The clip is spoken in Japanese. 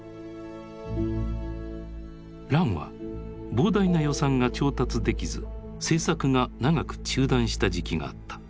「乱」は膨大な予算が調達できず製作が長く中断した時期があった。